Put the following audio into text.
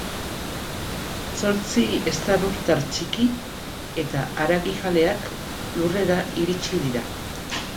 Zortzi estralurtar txiki eta haragijaleak Lurrera iritsi dira.